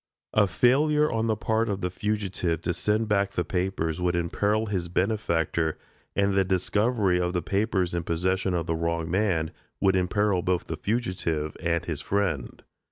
A failure on the part of the fugitive to send back the papers would imperil his benefactor, and the discovery of the papers in possession of the wrong man would imperil both the fugitive and his friend.